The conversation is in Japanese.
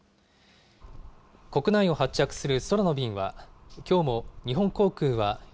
国内を発着する空の便はきょうも日本航空は４３